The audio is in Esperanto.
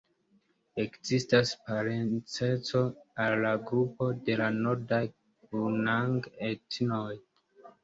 Ekzistas parenceco al la grupo de la nordaj gunang-etnoj.